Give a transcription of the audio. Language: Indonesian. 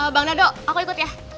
bang nado aku ikut ya